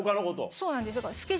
そうなんです。